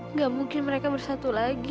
nggak mungkin mereka bersatu lagi